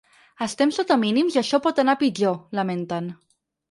Estem sota mínims i això pot anar a pitjor lamenten.